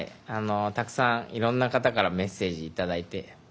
たくさん、いろんな方からメッセージをいただいて。